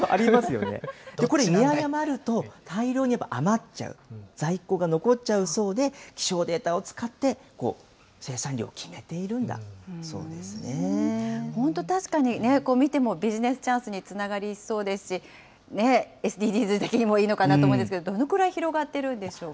これ見誤ると、大量に余っちゃう、在庫が残っちゃうそうで、気象データを使って、生産量を決めてい本当、確かにね、見てもビジネスチャンスにつながりそうですし、ＳＤＧｓ的にもいいのかなと思うんですけれども、どのくらい広がっているんでしょうか？